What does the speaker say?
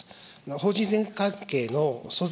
法人税関係の租税